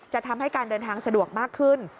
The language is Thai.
ทำให้การเดินทางสะดวกมากขึ้น